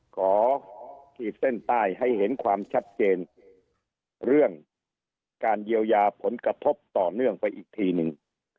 ขีดเส้นใต้ให้เห็นความชัดเจนเรื่องการเยียวยาผลกระทบต่อเนื่องไปอีกทีนึง